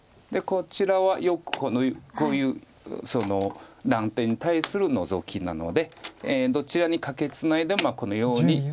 こちらはよくこういう断点に対するノゾキなのでどちらにカケツナいでもこのように。